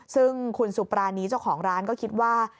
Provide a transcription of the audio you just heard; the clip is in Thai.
ซึ่งคุณสุปรานีเจ้าของร้านก็คิดว่า